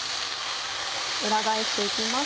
裏返して行きます。